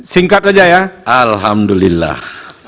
singkat saja ya alhamdulillah